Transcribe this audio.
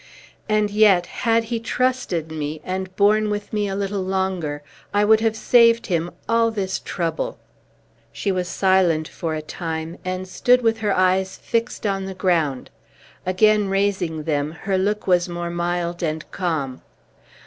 And yet, had he trusted me, and borne with me a little longer, I would have saved him all this trouble." She was silent for a time, and stood with her eyes fixed on the ground. Again raising them, her look was more mild and calm.